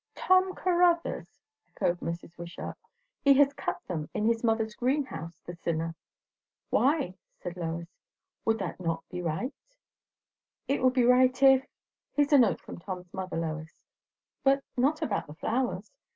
"Tom Caruthers!" echoed Mrs. Wishart. "He has cut them in his mother's greenhouse, the sinner!" "Why?" said Lois. "Would that be not right?" "It would be right, if . Here's a note from Tom's mother, Lois but not about the flowers.